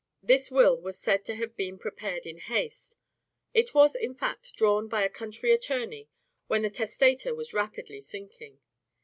This will was said to have been prepared in haste: it was, in fact, drawn by a country attorney, when the testator was rapidly sinking.